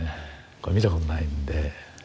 これ見たことないんで。